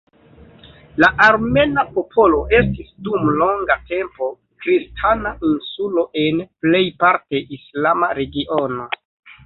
La armena popolo estis dum longa tempo, kristana "insulo" en plejparte islama regiono.